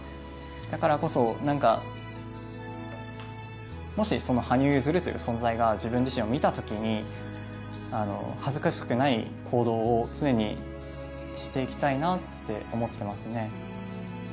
だからこそ、もし羽生結弦という存在が自分自身を見たときに恥ずかしくない行動を常にしていきたいなって思ってますね。